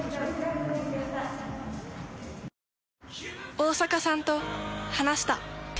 大坂さんと話した。